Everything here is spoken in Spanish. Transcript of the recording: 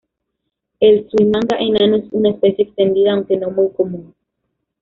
El suimanga enano es una especie extendida aunque no muy común.